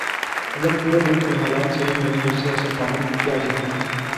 اگر پورے ملک میں حالات صحیح ھوں تو سیاست، طاقت، کی کیا ضرورت